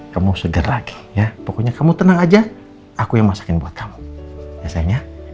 kamu seger lagi ya pokoknya kamu tenang aja aku yang masakin buat kamu ya sayang ya